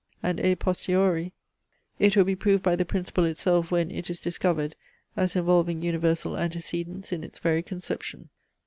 And a posteriori, it will be proved by the principle itself when it is discovered, as involving universal antecedence in its very conception.